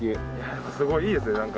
すごい、いいですね、なんか。